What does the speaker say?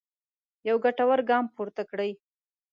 یو ګټور ګام پورته کړی.